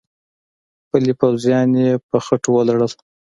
پلي پوځیان يې په خټو ولړل.